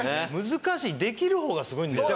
難しいできる方がすごいんだよ